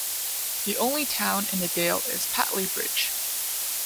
The only town in the dale is Pateley Bridge.